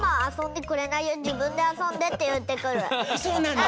そうなの？